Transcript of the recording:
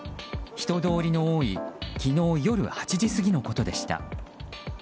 人通りの多い昨日夜８時過ぎのことでした。